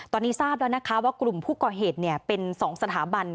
ตอนนี้ทราบแล้วนะคะว่ากลุ่มผู้ก่อเหตุเป็น๒สถาบัน